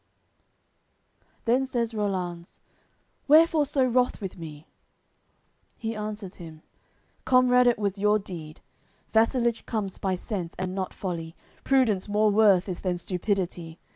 AOI. CXXXI Then says Rollanz: "Wherefore so wroth with me?" He answers him: "Comrade, it was your deed: Vassalage comes by sense, and not folly; Prudence more worth is than stupidity.